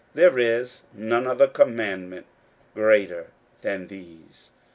There is none other commandment greater than these.